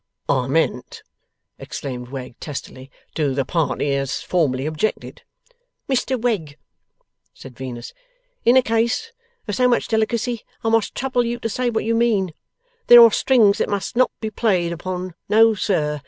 'I meant,' exclaimed Wegg, testily, 'to the party as formerly objected?' 'Mr Wegg,' said Venus, 'in a case of so much delicacy, I must trouble you to say what you mean. There are strings that must not be played upon. No sir!